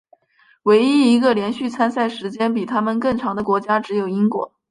唯一一个连续参赛时间比他们更长的国家只有英国。